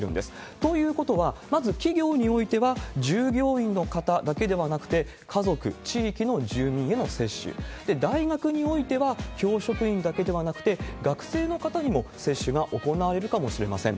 ということは、まず企業においては、従業員の方だけではなくて、家族、地域の住民への接種、大学においては教職員だけではなくて、学生の方にも接種が行われるかもしれません。